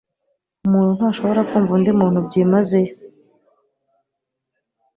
Umuntu ntashobora kumva undi muntu byimazeyo.